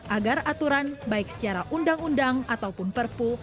agar aturan baik secara undang undang ataupun perpu